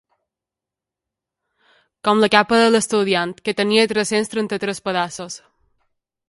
Com la capa de l'estudiant, que tenia tres-cents trenta-tres pedaços.